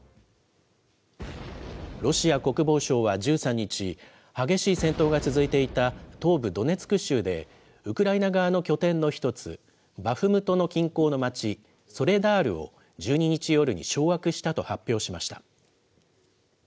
ロシア国防省は１３日、激しい戦闘が続いていた東部ドネツク州で、ウクライナ側の拠点の一つ、バフムトの近郊の町、ソレダールを１２日夜に掌握したと発表しました。